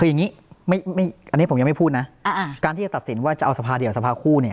คืออย่างนี้อันนี้ผมยังไม่พูดนะการที่จะตัดสินว่าจะเอาสภาเดียวสภาคู่เนี่ย